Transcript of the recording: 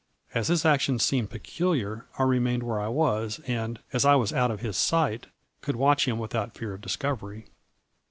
As his actions seemed peculiar, I remained where I was, and, as I was out of his sight, could watch him without fear of dis covery.